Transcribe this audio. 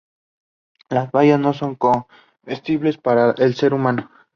Las bayas no son comestibles para el ser humano.